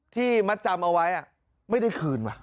ที่มัดจำเอาไว้ไม่ได้คืน